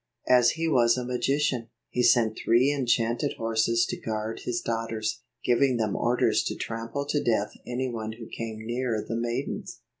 As he was a magician, he sent three enchanted horses to guard his daughters, giving them orders to trample to death any one who came near the maidens.